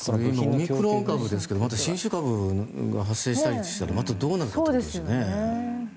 オミクロン株ですけど新種株が発生したりしたらどうなるかですよね。